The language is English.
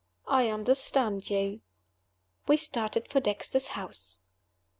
"I understand you." We started for Dexter's house.